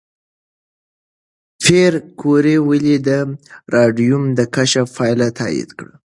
پېیر کوري ولې د راډیوم د کشف پایله تایید کړه؟